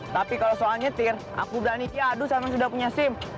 tapi dengan ganda kan tidak punya sim